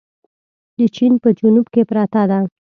د چين په جنوب کې پرته ده.